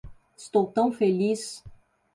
Estou tão feliz